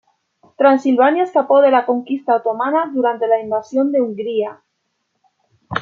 Transilvania escapó de la conquista otomana durante la invasión de Hungría.